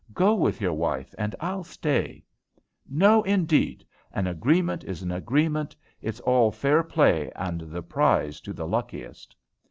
Go with your wife, and I'll stay." "No, indeed! An agreement is an agreement. It's all fair play, and the prize to the luckiest."